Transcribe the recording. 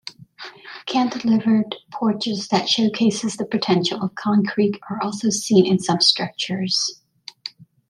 Cantilevered porches that showcases the potential of concrete are also seen in some structures.